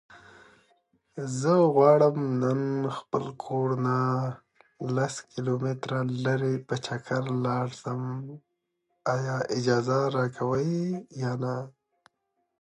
د دوسیې نشتوالی د دفاع حق زیانمنوي.